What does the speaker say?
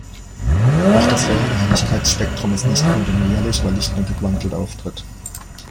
Auch das reale Helligkeitsspektrum ist nicht kontinuierlich, weil Licht nur gequantelt auftritt.